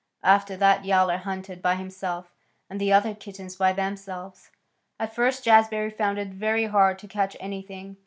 After that Yowler hunted by himself, and the other kittens by themselves. At first Jazbury found it very hard to catch anything.